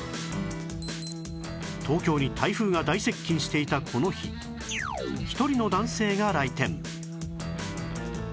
東京に台風が大接近していたこの日一人の男性が来店